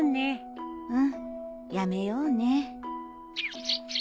うんやめようね。